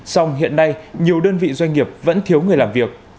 song hiện nay nhiều đơn vị doanh nghiệp vẫn thiếu người làm việc